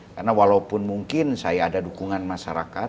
karena walaupun mungkin saya ada dukungan masyarakat